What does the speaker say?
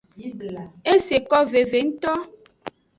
Eseko veve ngto.